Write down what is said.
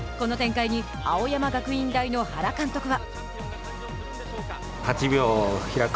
この展開に青山学院大の原監督は。